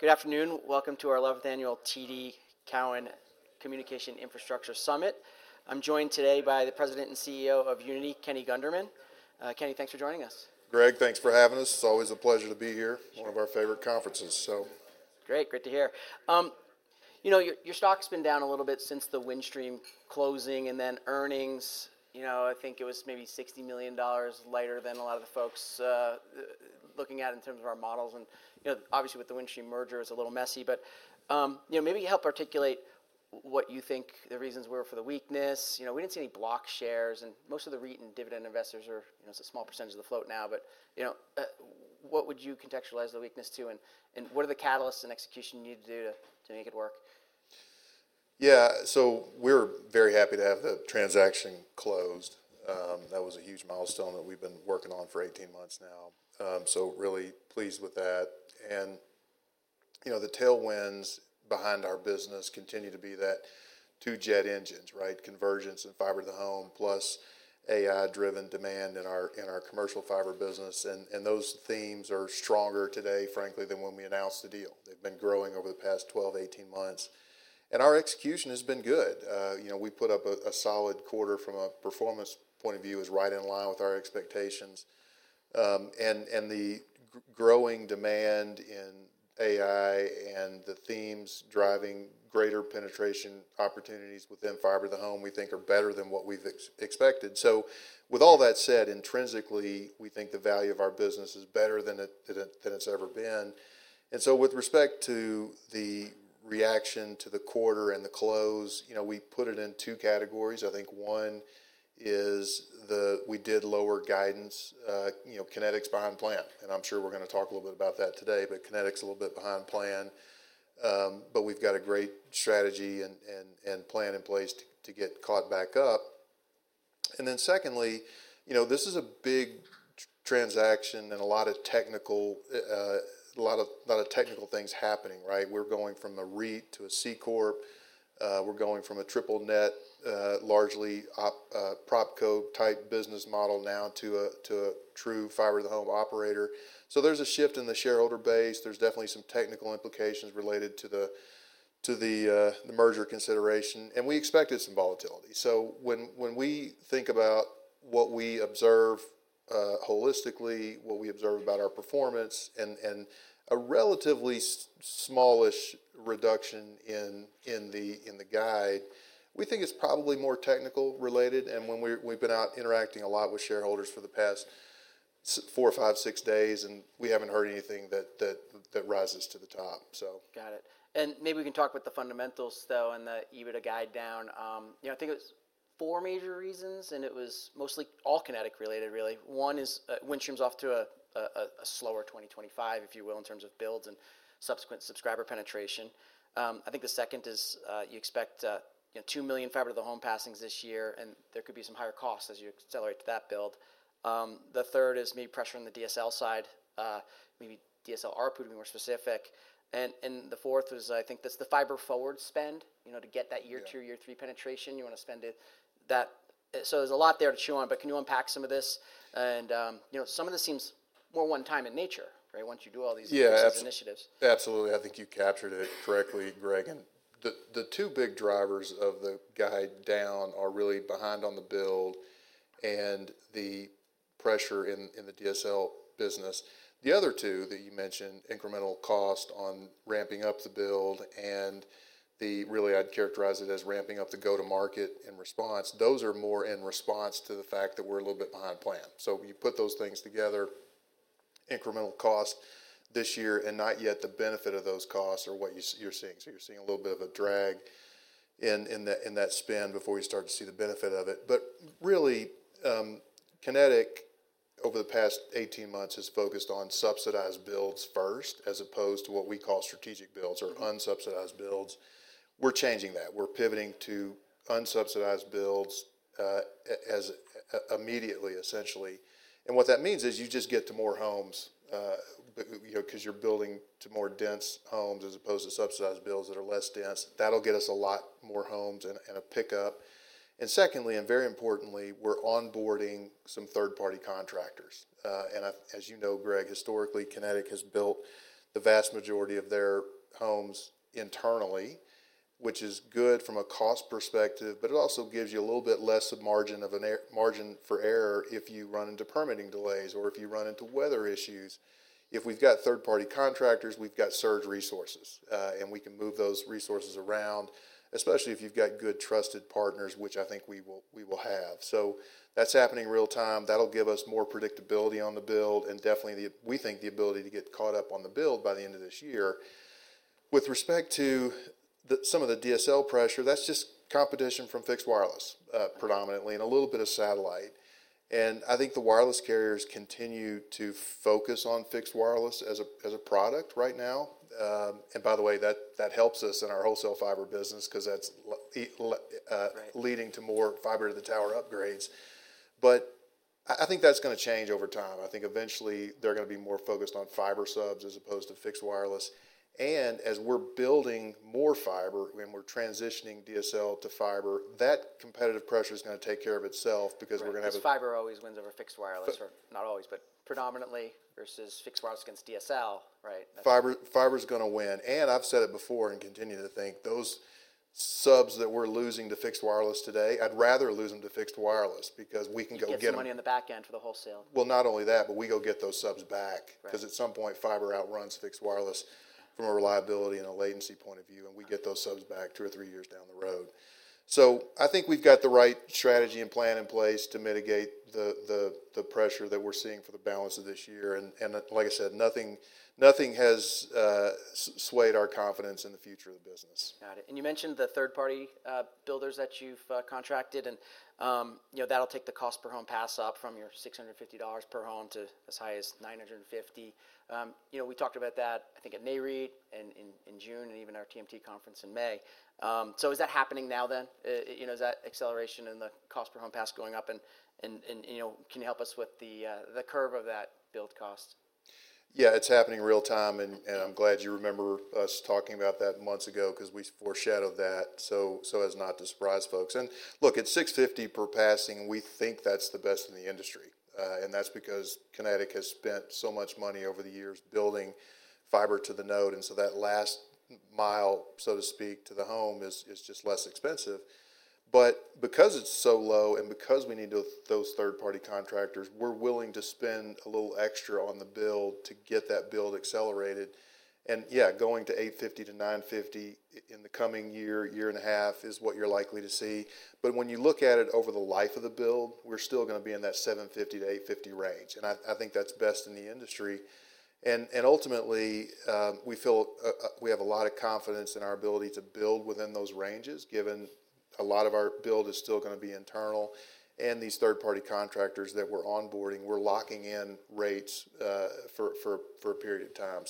Good afternoon. Welcome to our 11th Annual TD Cowen Communication Infrastructure Summit. I'm joined today by the President and CEO of Uniti, Kenny Gunderman. Kenny, thanks for joining us. Greg, thanks for having us. It's always a pleasure to be here, one of our favorite conferences. Great, great to hear. You know, your stock's been down a little bit since the Windstream closing and then earnings. I think it was maybe $60 million lighter than a lot of the folks looking at in terms of our models. Obviously, with the Windstream merger, it was a little messy. Maybe you help articulate what you think the reasons were for the weakness. We didn't see any block shares, and most of the REIT and dividend investors are, you know, it's a small percentage of the float now. What would you contextualize the weakness to? What are the catalysts and execution you need to do to make it work? Yeah, so we're very happy to have the transaction closed. That was a huge milestone that we've been working on for 18 months now. Really pleased with that. The tailwinds behind our business continue to be that two jet engines, right? Convergence and fiber-to-the-home, plus AI-driven demand in our commercial fiber business. Those themes are stronger today, frankly, than when we announced the deal. They've been growing over the past 12-18 months. Our execution has been good. We put up a solid quarter from a performance point of view, right in line with our expectations. The growing demand in AI and the themes driving greater penetration opportunities within fiber-to-the-home, we think, are better than what we've expected. With all that said, intrinsically, we think the value of our business is better than it's ever been. With respect to the reaction to the quarter and the close, we put it in two categories. One is that we did lower guidance, you know, Kinetic's behind plan. I'm sure we're going to talk a little bit about that today, but Kinetic's a little bit behind plan. We've got a great strategy and plan in place to get caught back up. Secondly, this is a big transaction and a lot of technical, a lot of technical things happening, right? We're going from a REIT to a C CorporWe're going from a triple net, largely op prop-co type business model now to a true fiber-to-the-home operator. There's a shift in the shareholder base. There's definitely some technical implications related to the merger consideration. We expected some volatility. When we think about what we observe holistically, what we observe about our performance, and a relatively smallish reduction in the guide, we think it's probably more technical related. We've been out interacting a lot with shareholders for the past four, five, six days, and we haven't heard anything that rises to the top. Got it. Maybe we can talk about the fundamentals, though, and that you had a guide down. I think it was four major reasons, and it was mostly all Kinetic related, really. One is Windstream's off to a slower 2025, if you will, in terms of builds and subsequent subscriber penetration. I think the second is you expect 2 million fiber-to-the-home passings this year, and there could be some higher costs as you accelerate to that build. The third is maybe pressure on the DSL side, maybe DSL, to be more specific. The fourth was, I think, the Fiber Forward spend, you know, to get that year two, year three penetration. You want to spend it. There's a lot there to chew on, but can you unpack some of this? Some of this seems more one-time in nature, right? Once you do all these initiatives. Yeah, absolutely. I think you captured it correctly, Greg. The two big drivers of the guide down are really behind on the build and the pressure in the DSL business. The other two that you mentioned, incremental cost on ramping up the build, and really, I'd characterize it as ramping up the go-to-market in response. Those are more in response to the fact that we're a little bit behind plan. You put those things together, incremental costs this year, and not yet the benefit of those costs are what you're seeing. You're seeing a little bit of a drag in that spend before you start to see the benefit of it. Kinetic, over the past 18 months, has focused on subsidized builds first, as opposed to what we call strategic builds or unsubsidized builds. We're changing that. We're pivoting to unsubsidized builds immediately, essentially. What that means is you just get to more homes because you're building to more dense homes as opposed to subsidized builds that are less dense. That'll get us a lot more homes and a pickup. Secondly, and very importantly, we're onboarding some third-party contractors. As you know, Greg, historically, Kinetic has built the vast majority of their homes internally, which is good from a cost perspective, but it also gives you a little bit less of a margin for error if you run into permitting delays or if you run into weather issues. If we've got third-party contractors, we've got surge resources, and we can move those resources around, especially if you've got good trusted partners, which I think we will have. That's happening real time. That'll give us more predictability on the build and definitely, we think, the ability to get caught up on the build by the end of this year. With respect to some of the DSL pressure, that's just competition from fixed wireless predominantly and a little bit of satellite. I think the wireless carriers continue to focus on fixed wireless as a product right now. By the way, that helps us in our wholesale fiber business because that's leading to more fiber to the tower upgrades. I think that's going to change over time. I think eventually they're going to be more focused on fiber subs as opposed to fixed wireless. As we're building more fiber and we're transitioning DSL to fiber, that competitive pressure is going to take care of itself because we're going to have. Because fiber always wins over fixed wireless, or not always, but predominantly versus fixed wireless against DSL, right? Fiber is going to win. I've said it before and continue to think those subs that we're losing to fixed wireless today, I'd rather lose them to fixed wireless because we can go get them. You get the money on the back end for the wholesale. Not only that, but we go get those subs back because at some point fiber outruns fixed wireless from a reliability and a latency point of view, and we get those subs back two or three years down the road. I think we've got the right strategy and plan in place to mitigate the pressure that we're seeing for the balance of this year. Like I said, nothing has swayed our confidence in the future of the business. Got it. You mentioned the third-party builders that you've contracted, and you know that'll take the cost per home pass up from your $650 per home to as high as $950. We talked about that, I think, at MayRead in June and even our TMT conference in May. Is that happening now then? Is that acceleration in the cost per home pass going up? Can you help us with the curve of that build cost? Yeah, it's happening real time. I'm glad you remember us talking about that months ago because we foreshadowed that so as not to surprise folks. At $650 per passing, we think that's the best in the industry. That's because Kinetic has spent so much money over the years building fiber to the node, so that last mile, so to speak, to the home is just less expensive. Because it's so low and because we need those third-party contractors, we're willing to spend a little extra on the build to get that build accelerated. Going to $850-$950 in the coming year, year and a half is what you're likely to see. When you look at it over the life of the build, we're still going to be in that $750-$850 range. I think that's best in the industry. Ultimately, we feel we have a lot of confidence in our ability to build within those ranges, given a lot of our build is still going to be internal. These third-party contractors that we're onboarding, we're locking in rates for a period of time.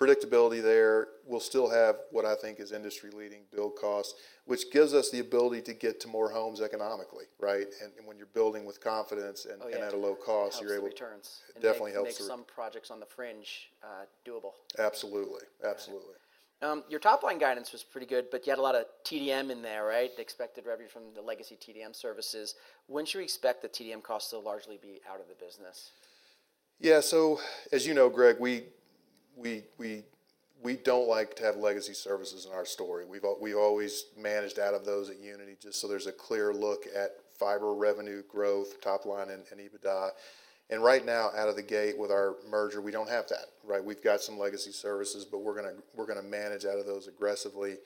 Predictability there, we'll still have what I think is industry-leading build costs, which gives us the ability to get to more homes economically, right? When you're building with confidence and at a low cost, you're able to make some projects on the fringe doable. Absolutely. Absolutely. Your top line guidance was pretty good, but you had a lot of TDM in there, right? The expected revenue from the legacy TDM services. When should we expect the TDM costs to largely be out of the business? Yeah, so as you know, Greg, we don't like to have legacy services in our story. We've always managed out of those at Uniti, just so there's a clear look at fiber revenue growth, top line, and EBITDA. Right now, out of the gate with our merger, we don't have that, right? We've got some legacy services, but we're going to manage out of those aggressively.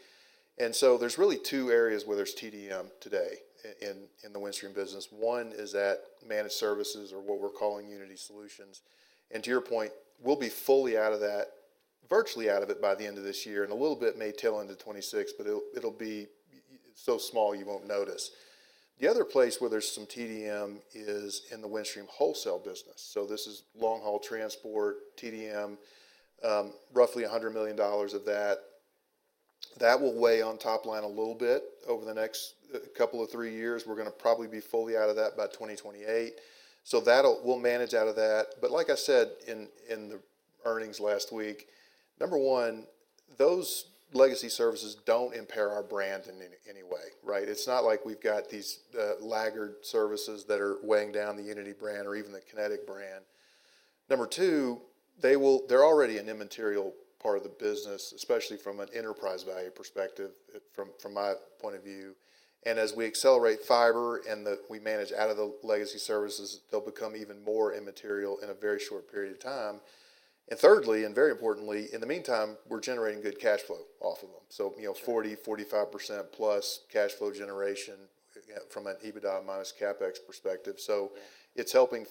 There are really two areas where there's TDM today in the Windstream business. One is at managed services or what we're calling Uniti Solutions. To your point, we'll be fully out of that, virtually out of it by the end of this year, and a little bit may tail into 2026, but it'll be so small you won't notice. The other place where there's some TDM is in the Windstream wholesale business. This is long-haul transport, TDM, roughly $100 million of that. That will weigh on top line a little bit over the next couple or three years. We're going to probably be fully out of that by 2028. We'll manage out of that. Like I said in the earnings last week, number one, those legacy services don't impair our brand in any way, right? It's not like we've got these laggard services that are weighing down the Uniti brand or even the Kinetic brand. Number two, they're already an immaterial part of the business, especially from an enterprise value perspective, from my point of view. As we accelerate fiber and we manage out of the legacy services, they'll become even more immaterial in a very short period of time. Thirdly, and very importantly, in the meantime, we're generating good cash flow off of them. So, you know, 40, 45%+ cash flow generation from an EBITDA minus CapEx perspective. It's helping,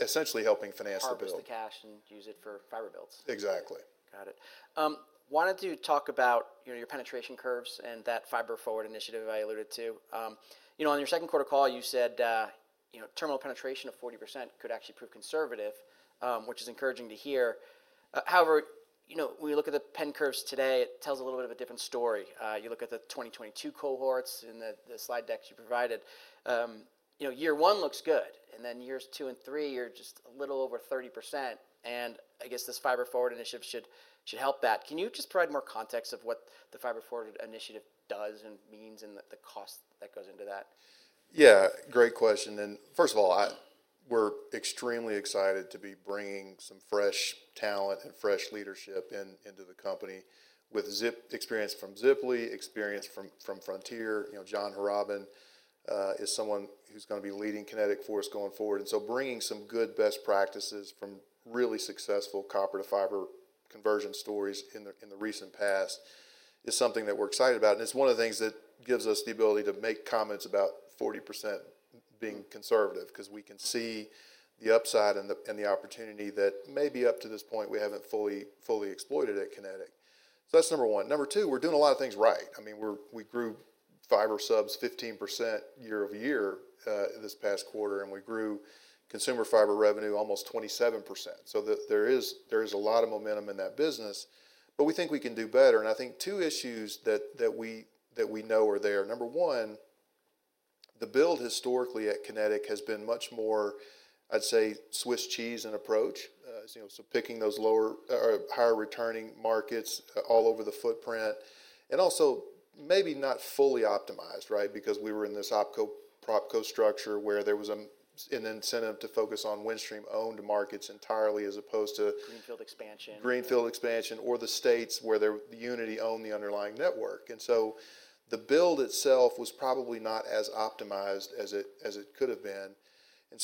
essentially helping finance the build. Off the cash and use it for fiber builds. Exactly. Got it. Wanted to talk about your penetration curves and that Fiber Forward initiative I alluded to. On your second quarter call, you said terminal penetration of 40% could actually prove conservative, which is encouraging to hear. However, when you look at the PEN curves today, it tells a little bit of a different story. You look at the 2022 cohorts in the slide deck you provided. Year one looks good, and then years two and three, you're just a little over 30%. I guess this Fiber Forward initiative should help that. Can you just provide more context of what the Fiber Forward initiative does and means and the cost that goes into that? Yeah, great question. First of all, we're extremely excited to be bringing some fresh talent and fresh leadership into the company with experience from Ziply, experience from Frontier. You know, John Harobin is someone who's going to be leading Kinetic for us going forward. Bringing some good best practices from really successful copper to fiber conversion stories in the recent past is something that we're excited about. It's one of the things that gives us the ability to make comments about 40% being conservative because we can see the upside and the opportunity that maybe up to this point we haven't fully exploited at Kinetic. That's number one. Number two, we're doing a lot of things right. I mean, we grew fiber subs 15% year-over-year this past quarter, and we grew consumer fiber revenue almost 27%. There is a lot of momentum in that business, but we think we can do better. I think two issues that we know are there. Number one, the build historically at Kinetic has been much more, I'd say, Swiss cheese in approach, picking those lower or higher returning markets all over the footprint. Also, maybe not fully optimized, right? We were in this op co-prop co-structure where there was an incentive to focus on Windstream-owned markets entirely as opposed to. Greenfield expansion. Greenfield expansion or the states where Uniti owned the underlying network. The build itself was probably not as optimized as it could have been.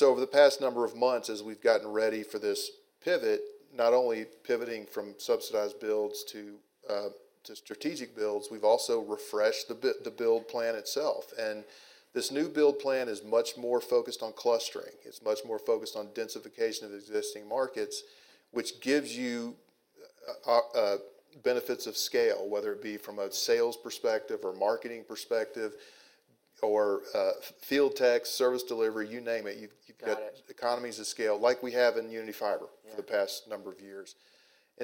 Over the past number of months, as we've gotten ready for this pivot, not only pivoting from subsidized builds to strategic builds, we've also refreshed the build plan itself. This new build plan is much more focused on clustering. It's much more focused on densification of existing markets, which gives you benefits of scale, whether it be from a sales perspective, marketing perspective, field tech, service delivery, you name it. You've got economies of scale like we have in Uniti Fiber for the past number of years.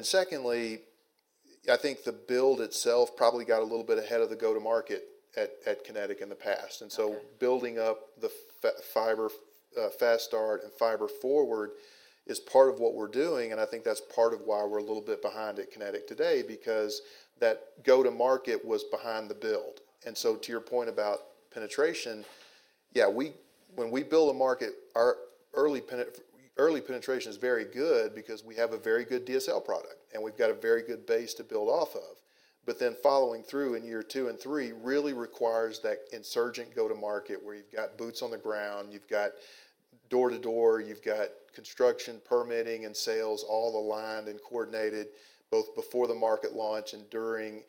Secondly, I think the build itself probably got a little bit ahead of the go-to-market at Kinetic in the past. Building up the fiber fast start and Fiber Forward is part of what we're doing. I think that's part of why we're a little bit behind at Kinetic today because that go-to-market was behind the build. To your point about penetration, when we build a market, our early penetration is very good because we have a very good DSL product and we've got a very good base to build off of. Following through in year two and three really requires that insurgent go-to-market where you've got boots on the ground, door to door, construction, permitting, and sales all aligned and coordinated both before the market launch and during.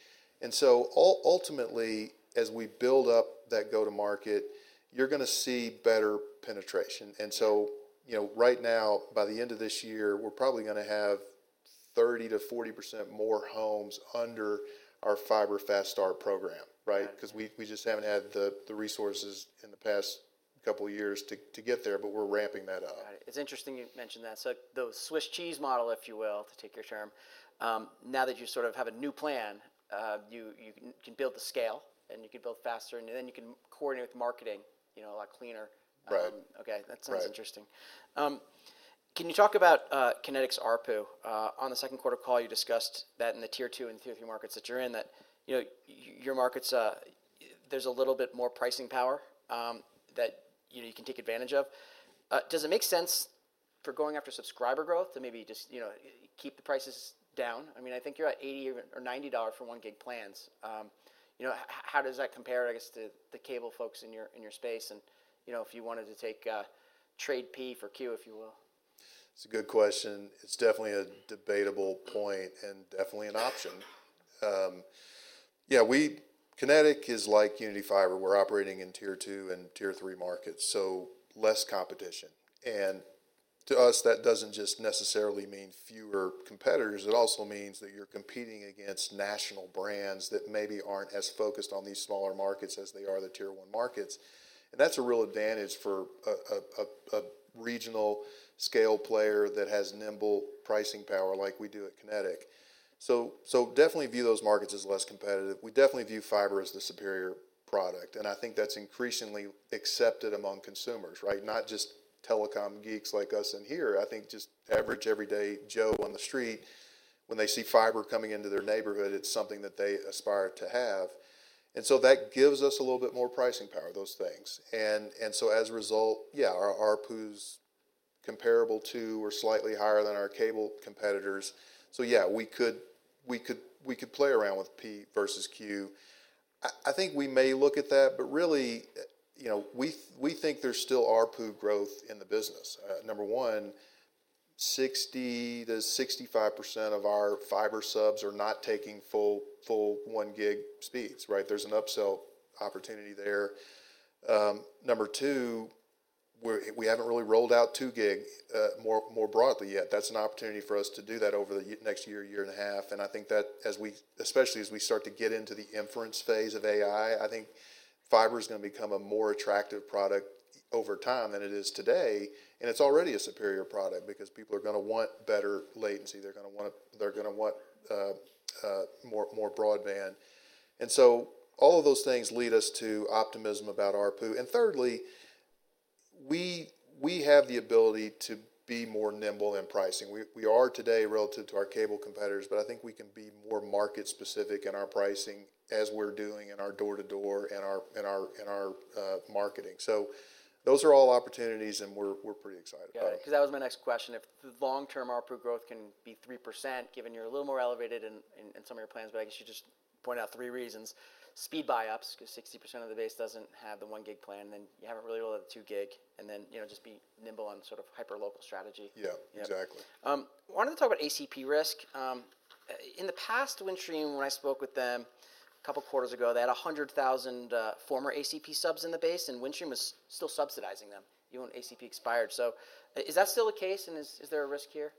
Ultimately, as we build up that go-to-market, you're going to see better penetration. Right now, by the end of this year, we're probably going to have 30%- 40% more homes under our fiber fast start program because we just haven't had the resources in the past couple of years to get there, but we're ramping that up. It's interesting you mentioned that. The Swiss cheese model, if you will, to take your term, now that you sort of have a new plan, you can build the scale and you can build faster, and then you can coordinate with marketing, you know, a lot cleaner. Right. Okay, that sounds interesting. Can you talk about Kinetic's ARPU? On the second quarter call, you discussed that in the tier two and tier three markets that you're in, that your markets, there's a little bit more pricing power that you can take advantage of. Does it make sense for going after subscriber growth to maybe just keep the prices down? I mean, I think you're at $80 or $90 for one gig plans. How does that compare, I guess, to the cable folks in your space? If you wanted to take trade P for Q, if you will. It's a good question. It's definitely a debatable point and definitely an option. Kinetic is like Uniti Fiber. We're operating in tier two and tier three markets, so less competition. To us, that doesn't just necessarily mean fewer competitors. It also means that you're competing against national brands that maybe aren't as focused on these smaller markets as they are the tier one markets. That's a real advantage for a regional scale player that has nimble pricing power like we do at Kinetic. We definitely view those markets as less competitive. We definitely view fiber as the superior product. I think that's increasingly accepted among consumers, right? Not just telecom geeks like us in here. I think just average everyday Joe on the street, when they see fiber coming into their neighborhood, it's something that they aspire to have. That gives us a little bit more pricing power, those things. As a result, our ARPUs are comparable to or slightly higher than our cable competitors. We could play around with P versus Q. I think we may look at that, but really, we think there's still ARPU growth in the business. Number one, 60%- 65% of our fiber subs are not taking full one gig speeds, right? There's an upsell opportunity there. Number two, we haven't really rolled out two gig more broadly yet. That's an opportunity for us to do that over the next year, year and a half. I think that, especially as we start to get into the inference phase of AI, fiber is going to become a more attractive product over time than it is today. It's already a superior product because people are going to want better latency. They're going to want more broadband. All of those things lead us to optimism about ARPU. Thirdly, we have the ability to be more nimble in pricing. We are today relative to our cable competitors, but I think we can be more market specific in our pricing as we're doing in our door to door and our marketing. Those are all opportunities, and we're pretty excited about it. Yeah, because that was my next question. If the long-term ARPU growth can be 3%, given you're a little more elevated in some of your plans, I guess you just point out three reasons: speed buy-ups, because 60% of the base doesn't have the one gig plan, you haven't really rolled out the two gig, and just be nimble on sort of hyper-local strategy. Yeah, exactly. I wanted to talk about ACP risk. In the past, Windstream, when I spoke with them a couple of quarters ago, they had 100,000 former ACP subs in the base, and Windstream was still subsidizing them even when ACP expired. Is that still the case, and is there a risk here?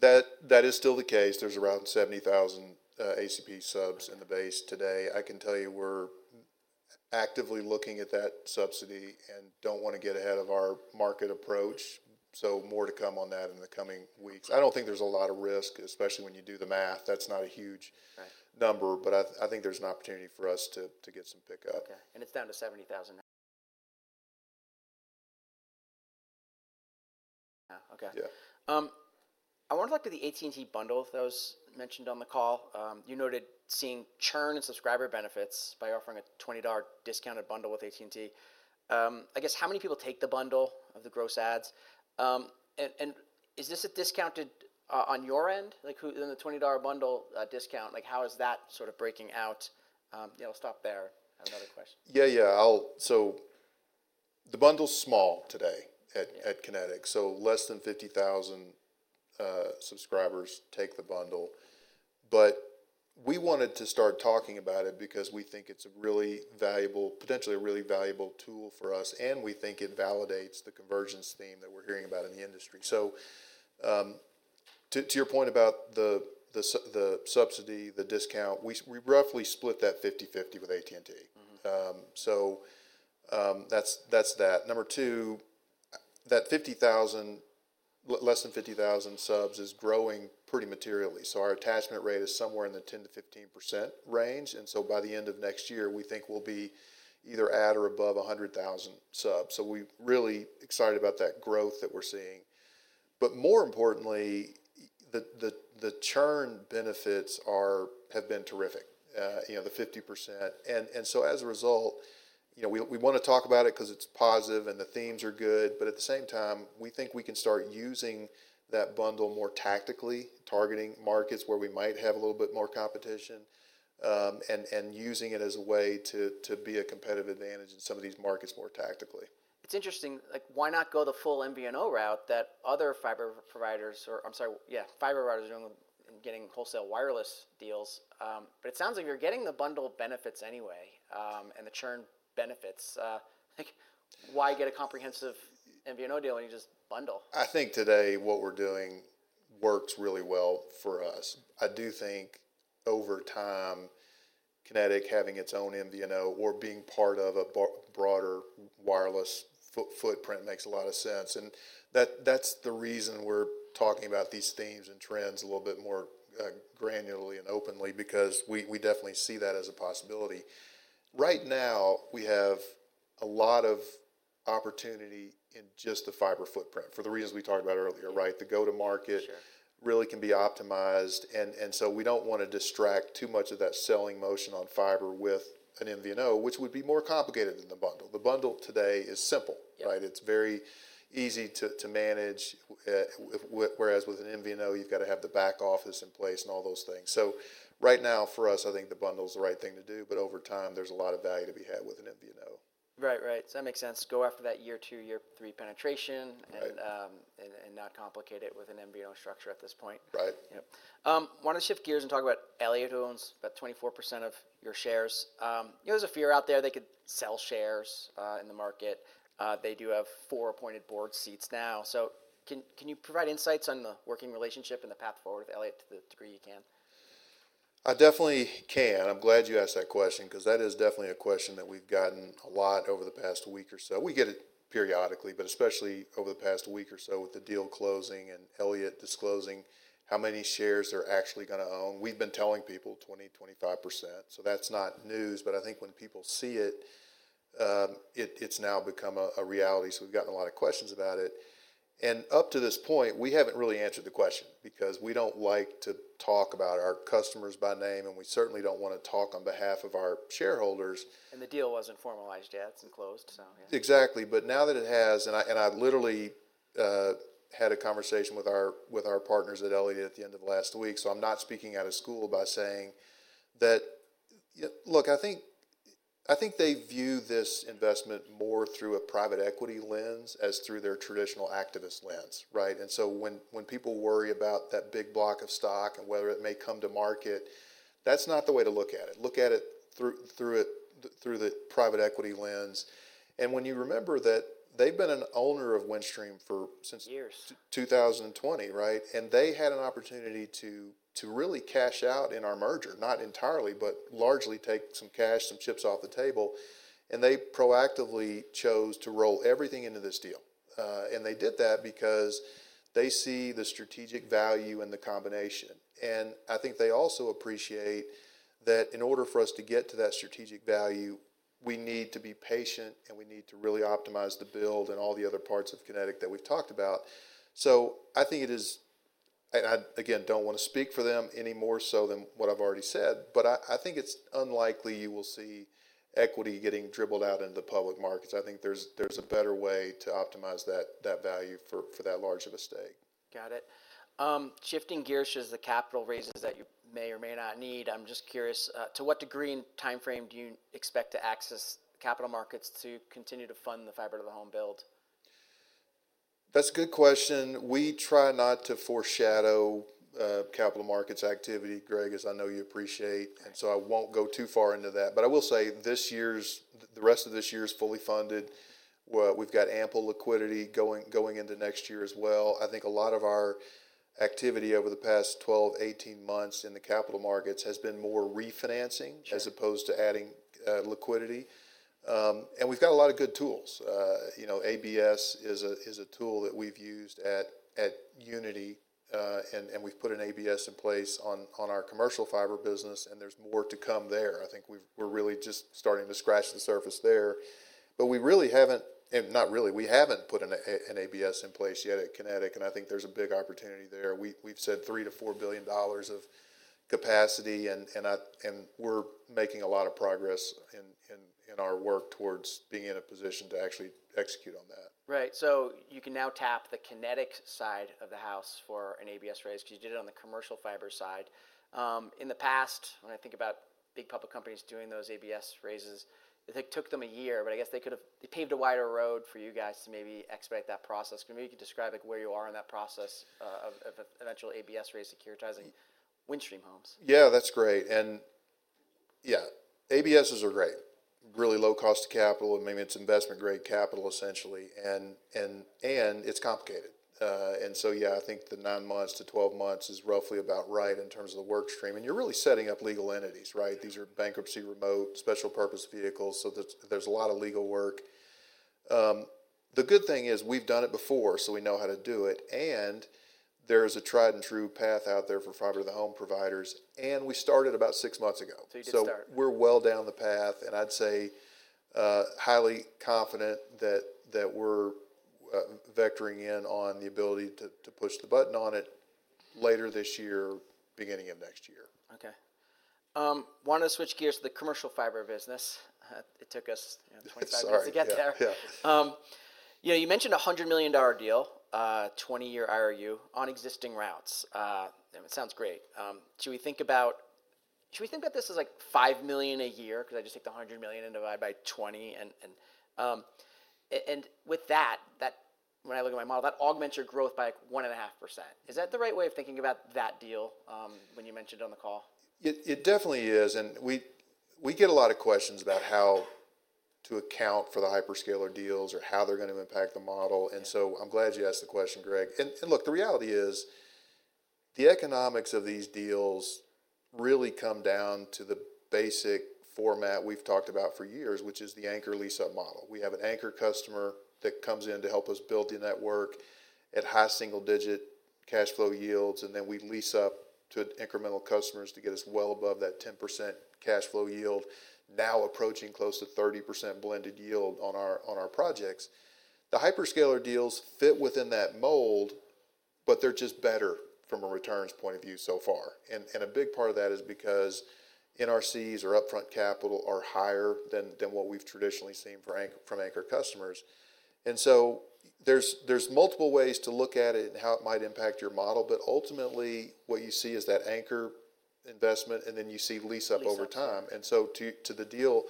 That is still the case. There's around 70,000 ACP subs in the base today. I can tell you we're actively looking at that subsidy and don't want to get ahead of our market approach. More to come on that in the coming weeks. I don't think there's a lot of risk, especially when you do the math. That's not a huge number, but I think there's an opportunity for us to get some pickup. Okay, it's down to 70,000 now. Yeah. I want to talk to the AT&T bundle that was mentioned on the call. You noted seeing churn and subscriber benefits by offering a $20 discounted bundle with AT&T. I guess how many people take the bundle of the gross ads? Is this discounted on your end? Who's in the $20 bundle discount? How is that sort of breaking out? I'll stop there. I have another question. Yeah, yeah. The bundle's small today at Kinetic, so less than 50,000 subscribers take the bundle. We wanted to start talking about it because we think it's a really valuable, potentially a really valuable tool for us, and we think it validates the convergence theme that we're hearing about in the industry. To your point about the subsidy, the discount, we roughly split that 50-50 with AT&T. That's that. Number two, that less than 50,000 subs is growing pretty materially. Our attachment rate is somewhere in the 10%- 15% range, and by the end of next year, we think we'll be either at or above 100,000 subs. We're really excited about that growth that we're seeing. More importantly, the churn benefits have been terrific, you know, the 50%. As a result, we want to talk about it because it's positive and the themes are good. At the same time, we think we can start using that bundle more tactically, targeting markets where we might have a little bit more competition and using it as a way to be a competitive advantage in some of these markets more tactically. It's interesting, like, why not go the full MVNO route that other fiber providers are only getting wholesale wireless deals. It sounds like you're getting the bundle benefits anyway, and the churn benefits. Why get a comprehensive MVNO deal when you just bundle? I think today what we're doing works really well for us. I do think over time, Kinetic having its own MVNO or being part of a broader wireless footprint makes a lot of sense. That's the reason we're talking about these themes and trends a little bit more granularly and openly, because we definitely see that as a possibility. Right now, we have a lot of opportunity in just the fiber footprint for the reasons we talked about earlier, right? The go-to-market really can be optimized. We don't want to distract too much of that selling motion on fiber with an MVNO, which would be more complicated than the bundle. The bundle today is simple, right? It's very easy to manage, whereas with an MVNO, you've got to have the back office in place and all those things. Right now, for us, I think the bundle is the right thing to do. Over time, there's a lot of value to be had with an MVNO. Right, right. That makes sense. Go after that year two, year three penetration and not complicate it with an MVNO structure at this point. Right. Want to shift gears and talk about Elliott Management, who owns about 24% of your shares. You know, there's a fear out there they could sell shares in the market. They do have four appointed board seats now. Can you provide insights on the working relationship and the path forward with Elliott Management to the degree you can? I definitely can. I'm glad you asked that question because that is definitely a question that we've gotten a lot over the past week or so. We get it periodically, especially over the past week or so with the deal closing and Elliott disclosing how many shares they're actually going to own. We've been telling people 20-25%. That's not news, but I think when people see it, it's now become a reality. We've gotten a lot of questions about it. Up to this point, we haven't really answered the question because we don't like to talk about our customers by name, and we certainly don't want to talk on behalf of our shareholders. The deal wasn't formalized yet. It's enclosed. Exactly. Now that it has, I literally had a conversation with our partners at Elliott Management at the end of last week, so I'm not speaking out of school by saying that. Look, I think they view this investment more through a private equity lens as opposed to their traditional activist lens, right? When people worry about that big block of stock and whether it may come to market, that's not the way to look at it. Look at it through the private equity lens. When you remember that they've been an owner of Windstream since 2020, right? They had an opportunity to really cash out in our merger, not entirely, but largely take some cash, some chips off the table. They proactively chose to roll everything into this deal. They did that because they see the strategic value in the combination. I think they also appreciate that in order for us to get to that strategic value, we need to be patient and we need to really optimize the build and all the other parts of Kinetic that we've talked about. I don't want to speak for them any more so than what I've already said, but I think it's unlikely you will see equity getting dribbled out into the public markets. I think there's a better way to optimize that value for that larger stake. Got it. Shifting gears, the capital raises that you may or may not need, I'm just curious, to what degree and timeframe do you expect to access capital markets to continue to fund the fiber-to-the-home build? That's a good question. We try not to foreshadow capital markets activity, Greg, as I know you appreciate. I won't go too far into that. I will say this year's, the rest of this year is fully funded. We've got ample liquidity going into next year as well. I think a lot of our activity over the past 12 to 18 months in the capital markets has been more refinancing as opposed to adding liquidity. We've got a lot of good tools. ABS is a tool that we've used at Uniti, and we've put an ABS in place on our commercial fiber business, and there's more to come there. I think we're really just starting to scratch the surface there. We really haven't, not really, we haven't put an ABS in place yet at Kinetic, and I think there's a big opportunity there. We've said $3 billion-$4 billion of capacity, and we're making a lot of progress in our work towards being in a position to actually execute on that. Right. You can now tap the Kinetic side of the house for an ABS raise because you did it on the commercial fiber side. In the past, when I think about big public companies doing those ABS raises, it took them a year. I guess they paved a wider road for you guys to maybe expedite that process. Can you describe where you are in that process of eventual ABS raise securitizing Windstream homes? Yeah, that's great. ABS are great, really low cost of capital, and maybe it's investment grade capital, essentially. It's complicated. I think the nine months to 12 months is roughly about right in terms of the work stream. You're really setting up legal entities, right? These are bankruptcy remote special purpose vehicles, so there's a lot of legal work. The good thing is we've done it before, so we know how to do it. There is a tried and true path out there for fiber-to-the-home providers. We started about six months ago, so we're well down the path. I'd say highly confident that we're vectoring in on the ability to push the button on it later this year, beginning of next year. Okay. Want to switch gears to the commercial fiber business? It took us 25 years to get there. You know, you mentioned a $100 million deal, 20-year IRU on existing routes. It sounds great. Should we think about this as like $5 million a year? Because I just take the $100 million and divide by 20 years. With that, when I look at my model, that augments your growth by like 1.5%. Is that the right way of thinking about that deal when you mentioned it on the call? It definitely is. We get a lot of questions about how to account for the hyperscaler deals or how they're going to impact the model. I'm glad you asked the question, Greg. The reality is the economics of these deals really come down to the basic format we've talked about for years, which is the anchor lease-up model. We have an anchor customer that comes in to help us build the network at high single-digit cash flow yields, and then we lease up to incremental customers to get us well above that 10% cash flow yield, now approaching close to 30% blended yield on our projects. The hyperscaler deals fit within that mold, but they're just better from a returns point of view so far. A big part of that is because NRCs or upfront capital are higher than what we've traditionally seen from anchor customers. There are multiple ways to look at it and how it might impact your model. Ultimately, what you see is that anchor investment, and then you see lease-up over time. To the deal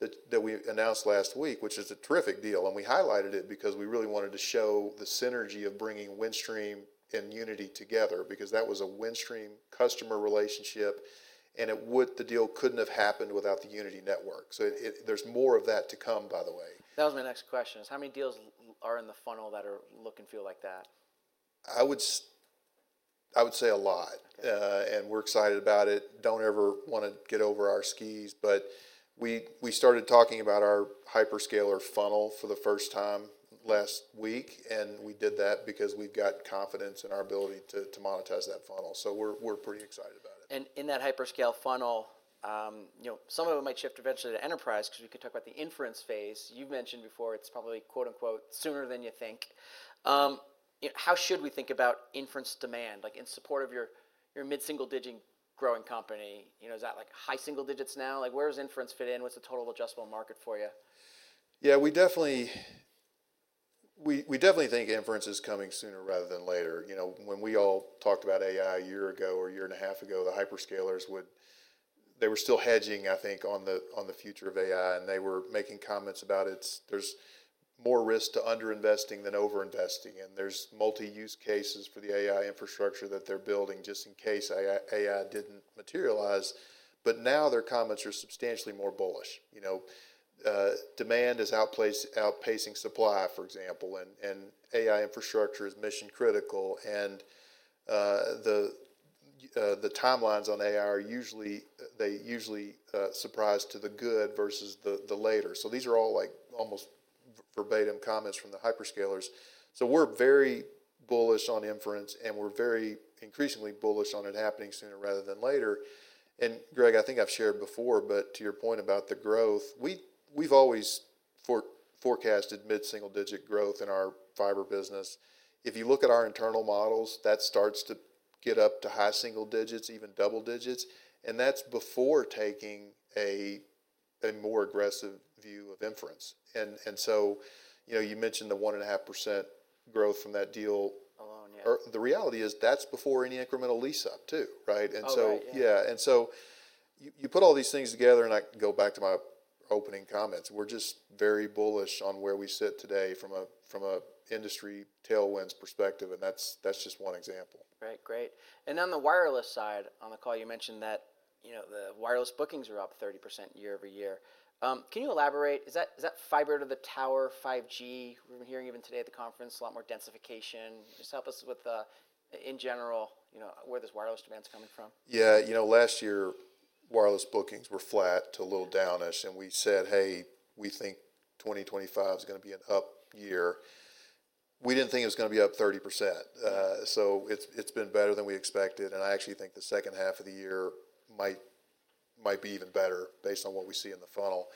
that we announced last week, which is a terrific deal, we highlighted it because we really wanted to show the synergy of bringing Windstream and Uniti together, because that was a Windstream customer relationship, and the deal couldn't have happened without the Uniti network. There is more of that to come, by the way. That was my next question. How many deals are in the funnel that look and feel like that? I would say a lot. We're excited about it. We don't ever want to get over our skis. We started talking about our hyperscaler funnel for the first time last week because we've got confidence in our ability to monetize that funnel. We're pretty excited about it. In that hyperscale funnel, you know, some of it might shift eventually to enterprise because we could talk about the inference phase. You mentioned before it's probably "sooner than you think." How should we think about inference demand? In support of your mid-single-digit growing company, is that like high single digits now? Where does inference fit in? What's the total addressable market for you? Yeah, we definitely think inference is coming sooner rather than later. You know, when we all talked about AI a year ago or a year and a half ago, the hyperscalers were still hedging, I think, on the future of AI. They were making comments about it. There's more risk to underinvesting than overinvesting, and there's multi-use cases for the AI infrastructure that they're building just in case AI didn't materialize. Now their comments are substantially more bullish. You know, demand is outpacing supply, for example, and AI infrastructure is mission-critical. The timelines on AI usually surprise to the good versus the later. These are all almost verbatim comments from the hyperscalers. We're very bullish on inference, and we're very increasingly bullish on it happening sooner rather than later. Greg, I think I've shared before, but to your point about the growth, we've always forecasted mid-single-digit growth in our fiber business. If you look at our internal models, that starts to get up to high single digits, even double digits, and that's before taking a more aggressive view of inference. You mentioned the 1.5% growth from that deal alone. The reality is that's before any incremental lease-up too, right? You put all these things together, and I go back to my opening comments. We're just very bullish on where we sit today from an industry tailwinds perspective, and that's just one example. Right. Great. On the wireless side, on the call, you mentioned that the wireless bookings are up 30% year-over-year. Can you elaborate? Is that fiber to the tower 5G? We've been hearing even today at the conference, a lot more densification. Just help us with, in general, where this wireless demand is coming from. Yeah, you know, last year, wireless bookings were flat to a little downish. We said, hey, we think 2025 is going to be an up year. We didn't think it was going to be up 30%. It's been better than we expected. I actually think the second half of the year might be even better based on what we see in the funnel.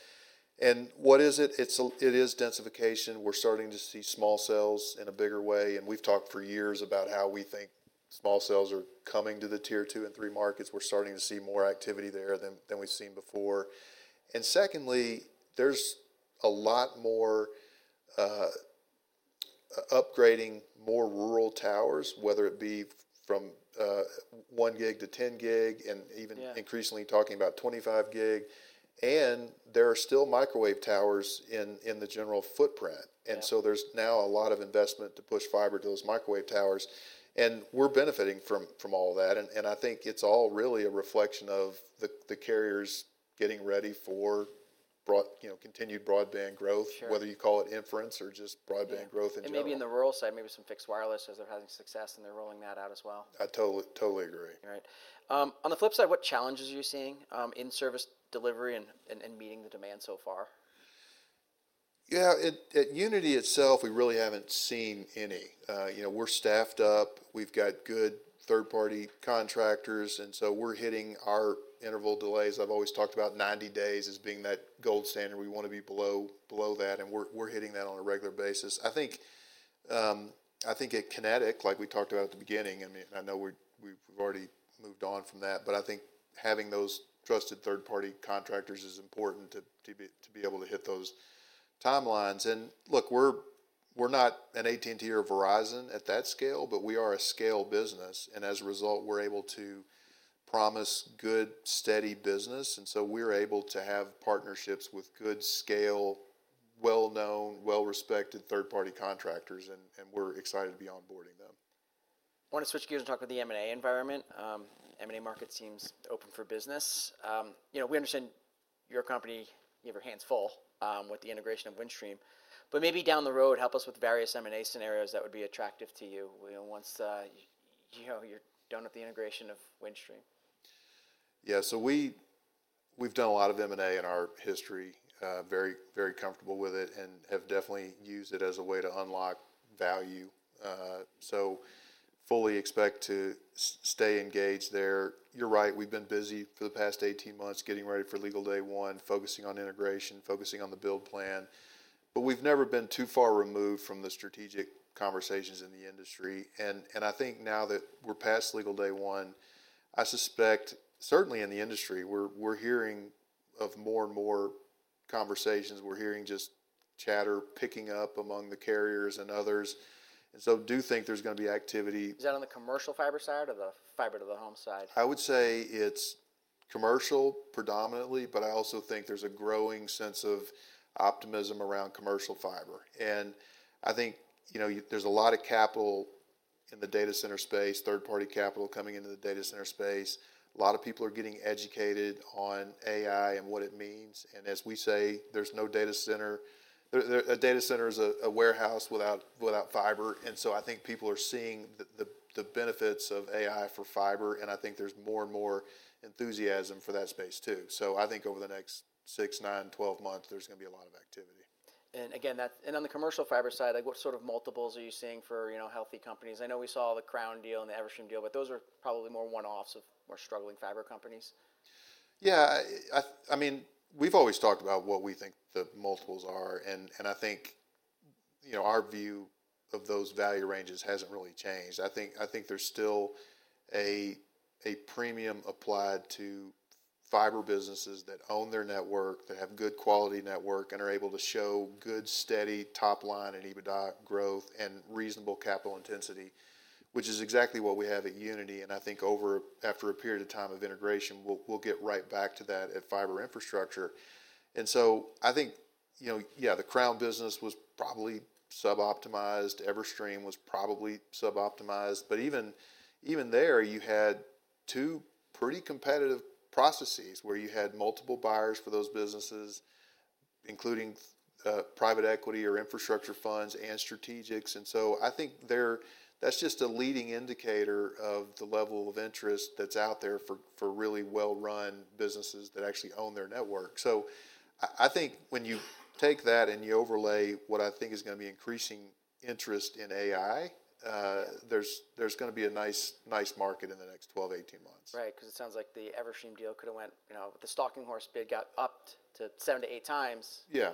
What is it? It is densification. We're starting to see small cells in a bigger way. We've talked for years about how we think small cells are coming to the tier two and three markets. We're starting to see more activity there than we've seen before. Secondly, there's a lot more upgrading of more rural towers, whether it be from one gig to 10 gig, and even increasingly talking about 25 gig. There are still microwave towers in the general footprint. There's now a lot of investment to push fiber to those microwave towers. We're benefiting from all of that. I think it's all really a reflection of the carriers getting ready for continued broadband growth, whether you call it inference or just broadband growth in general. On the rural side, maybe some fixed wireless as they're having success and they're rolling that out as well. I totally agree. Right. On the flip side, what challenges are you seeing in service delivery and meeting the demand so far? Yeah, at Uniti itself, we really haven't seen any. We're staffed up. We've got good third-party contractors, and we're hitting our interval delays. I've always talked about 90 days as being that gold standard. We want to be below that, and we're hitting that on a regular basis. I think at Kinetic, like we talked about at the beginning, and I know we've already moved on from that, but I think having those trusted third-party contractors is important to be able to hit those timelines. We're not an AT&T or Verizon at that scale, but we are a scale business. As a result, we're able to promise good, steady business, and we're able to have partnerships with good scale, well-known, well-respected third-party contractors. We're excited to be onboarding them. I want to switch gears and talk about the M&A environment. The M&A market seems open for business. We understand your company, you have your hands full with the integration of Windstream. Maybe down the road, help us with the various M&A scenarios that would be attractive to you once you're done with the integration of Windstream. Yeah, we've done a lot of M&A in our history, very, very comfortable with it, and have definitely used it as a way to unlock value. I fully expect to stay engaged there. You're right, we've been busy for the past 18 months, getting ready for legal day one, focusing on integration, focusing on the build plan. We've never been too far removed from the strategic conversations in the industry. I think now that we're past legal day one, I suspect certainly in the industry, we're hearing of more and more conversations. We're hearing just chatter picking up among the carriers and others. I do think there's going to be activity. Is that on the commercial fiber side or the fiber-to-the-home side? I would say it's commercial predominantly, but I also think there's a growing sense of optimism around commercial fiber. I think there's a lot of capital in the data center space, third-party capital coming into the data center space. A lot of people are getting educated on AI and what it means. As we say, there's no data center. A data center is a warehouse without fiber. I think people are seeing the benefits of AI for fiber. I think there's more and more enthusiasm for that space too. I think over the next six, nine, 12 months, there's going to be a lot of activity. That's on the commercial fiber side, like what sort of multiples are you seeing for, you know, healthy companies? I know we saw the Crown deal and the Everstream deal, but those are probably more one-offs of more struggling fiber companies. Yeah, I mean, we've always talked about what we think the multiples are. I think our view of those value ranges hasn't really changed. I think there's still a premium applied to fiber businesses that own their network, that have good quality network, and are able to show good, steady top line and EBITDA growth and reasonable capital intensity, which is exactly what we have at Uniti. I think after a period of time of integration, we'll get right back to that at fiber infrastructure. I think the Crown business was probably sub-optimized. Everstream was probably sub-optimized. Even there, you had two pretty competitive processes where you had multiple buyers for those businesses, including private equity or infrastructure funds and strategics. I think that's just a leading indicator of the level of interest that's out there for really well-run businesses that actually own their network. I think when you take that and you overlay what I think is going to be increasing interest in AI, there's going to be a nice market in the next 12-18 months. Right, because it sounds like the Everstream deal could have gone, you know, the stalking horse bid got upped to seven to eight times. Yeah.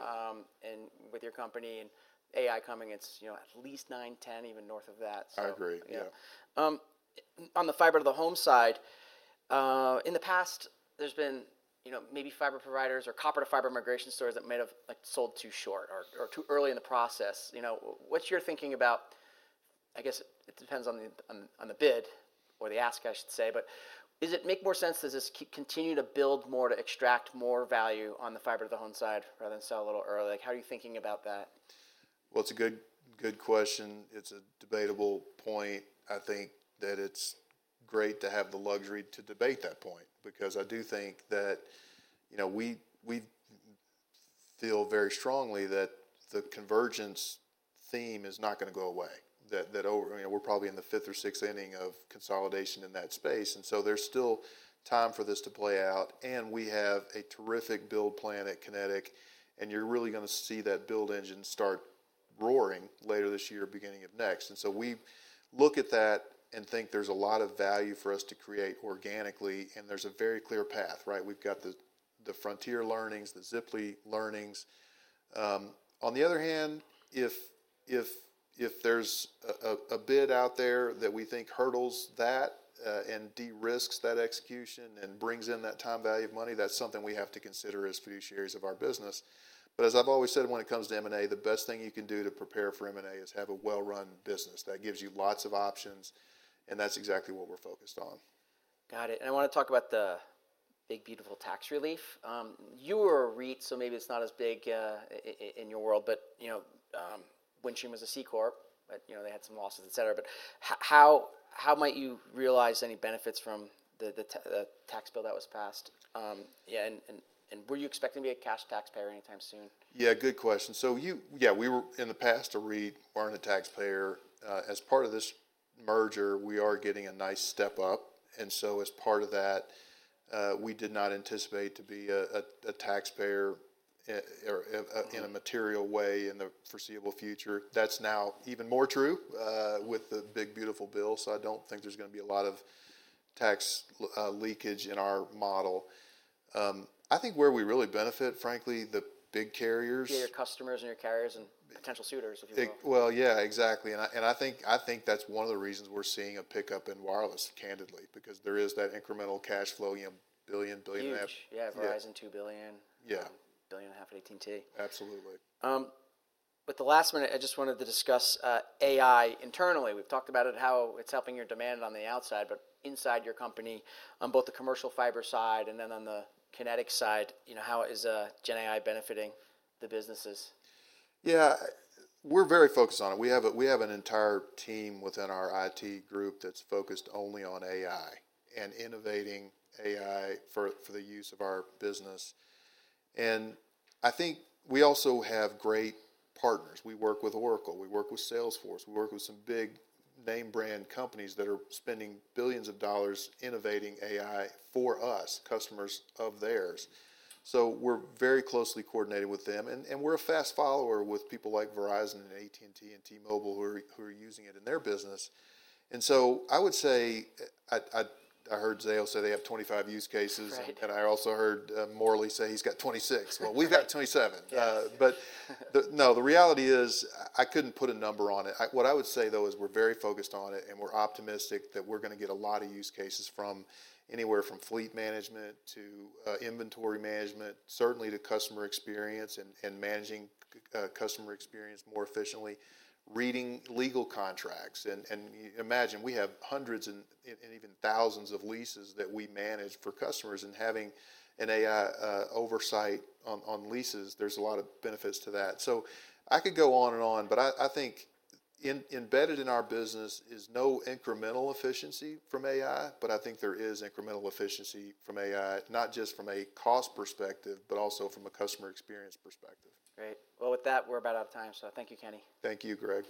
With your company and AI coming, it's at least nine, ten, even north of that. I agree. Yeah. On the fiber-to-the-home side, in the past, there's been, you know, maybe fiber providers or copper-to-fiber migration stories that might have like sold too short or too early in the process. You know, what's your thinking about, I guess it depends on the bid or the ask, I should say. Does it make more sense to just continue to build more to extract more value on the fiber-to-the-home side rather than sell a little early? How are you thinking about that? It's a good question. It's a debatable point. I think that it's great to have the luxury to debate that point because I do think that, you know, we feel very strongly that the convergence theme is not going to go away. You know, we're probably in the fifth or sixth inning of consolidation in that space, and there's still time for this to play out. We have a terrific build plan at Kinetic, and you're really going to see that build engine start roaring later this year, beginning of next. We look at that and think there's a lot of value for us to create organically, and there's a very clear path, right? We've got the Frontier learnings, the Ziply learnings. On the other hand, if there's a bid out there that we think hurdles that and de-risks that execution and brings in that time value of money, that's something we have to consider as fiduciaries of our business. As I've always said, when it comes to M&A, the best thing you can do to prepare for M&A is have a well-run business that gives you lots of options, and that's exactly what we're focused on. Got it. I want to talk about the big, beautiful tax relief. You were a REIT, so maybe it's not as big in your world. You know, Windstream was a C Corporation, but they had some losses, etc. How might you realize any benefits from the tax bill that was passed? Were you expecting to be a cash taxpayer anytime soon? Good question. We were in the past a REIT. We weren't a taxpayer. As part of this merger, we are getting a nice step up. As part of that, we did not anticipate to be a taxpayer in a material way in the foreseeable future. That's now even more true with the big, beautiful bill. I don't think there's going to be a lot of tax leakage in our model. I think where we really benefit, frankly, the big carriers. Yeah, your customers and your carriers and potential suitors, if you will. Exactly. I think that's one of the reasons we're seeing a pickup in wireless, candidly, because there is that incremental cash flow. Yeah, $1 billion, $1.5 billion. Yeah, Verizon $2 billion. Yeah. $1.5 billion at AT&T. Absolutely. With the last minute, I just wanted to discuss AI internally. We've talked about it, how it's helping your demand on the outside, but inside your company, on both the commercial fiber side and then on the Kinetic side, you know, how is GenAI benefiting the businesses? Yeah, we're very focused on it. We have an entire team within our IT group that's focused only on AI and innovating AI for the use of our business. I think we also have great partners. We work with Oracle. We work with Salesforce. We work with some big name brand companies that are spending billions of dollars innovating AI for us, customers of theirs. We're very closely coordinated with them. We're a fast follower with people like Verizon and AT&T and T-Mobile who are using it in their business. I would say, I heard Zale say they have 25 use cases. I also heard Morley say he's got 26. We've got 27. The reality is I couldn't put a number on it. What I would say, though, is we're very focused on it. We're optimistic that we're going to get a lot of use cases from anywhere from fleet management to inventory management, certainly to customer experience and managing customer experience more efficiently, reading legal contracts. Imagine we have hundreds and even thousands of leases that we manage for customers. Having an AI oversight on leases, there's a lot of benefits to that. I could go on and on. I think embedded in our business is no incremental efficiency from AI. I think there is incremental efficiency from AI, not just from a cost perspective, but also from a customer experience perspective. Great. With that, we're about out of time. Thank you, Kenny. Thank you, Greg.